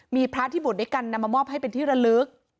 มีพระที่บวชด้วยกันนำมามอบให้เป็นที่ระลึก